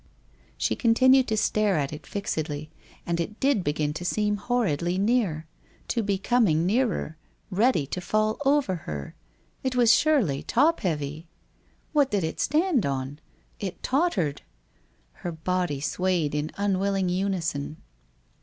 ... She continued to stare at it fixedly, and it did begin to seem horridly near — to be coming nearer — ready to fall over her. ... It was surely top heavy? .... What did it stand on? It tottered. ... Her body swayed in unwilling unison.